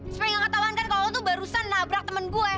supaya nggak ketahuan kan kalau aku tuh barusan nabrak temen gue